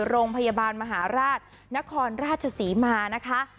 โรงพยาบาลมหาราชนครราชศรีมานะคะ